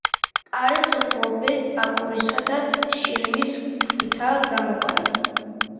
კარის ღიობი აგურისა და შირიმის ქვებითაა გამოყვანილი.